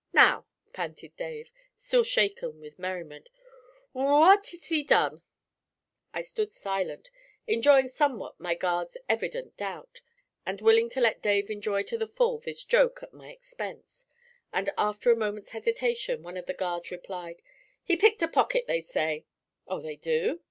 'Now,' panted Dave, still shaken with merriment, 'w what has he done?' I stood silent, enjoying somewhat my guards' evident doubt, and willing to let Dave enjoy to the full this joke at my expense, and after a moment's hesitation one of the guards replied: 'He picked a pocket, they say.' 'Oh, they do?